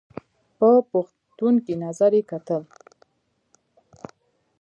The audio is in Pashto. په پوښتونکي نظر یې کتل !